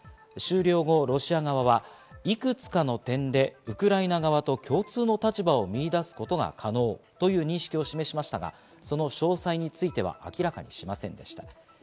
終了後、ロシア側はいくつかの点でウクライナ側と共通の立場を見いだすことが可能という認識を示しましたが、その詳細については明らかにしませんでした。